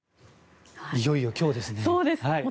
いよいよ今日ですね。